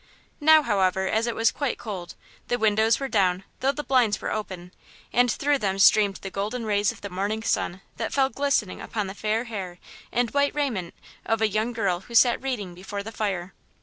Now, however, as it was quite cold, the windows were down, though the blinds were open, and through them streamed the golden rays of the morning sun that fell glistening upon the fair hair and white raiment of a young girl who sat reading before the fire.